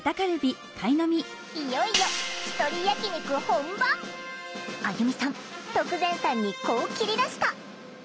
いよいよあゆみさん徳善さんにこう切り出した。